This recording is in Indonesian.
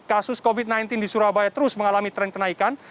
kasus covid sembilan belas di surabaya terus mengalami tren kenaikan